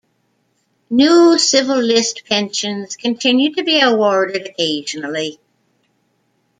New Civil List pensions continue to be awarded occasionally.